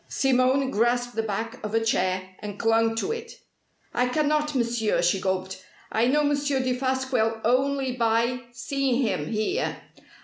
Simone grasped the back of a chair, and clung to it. "I cannot, Monsieur," she gulped. "I know Monsieur Defasquelle only by seeing him here.